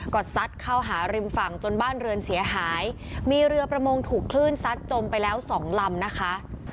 ก็ซัดเข้าหาริมฝั่งจนบ้านเรือนเสียหายมีเรือประมงถูกคลื่นซัดจมไปแล้วสองลำนะคะ